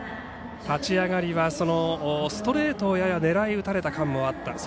立ち上がりはストレートをやや狙い打たれた感もあった。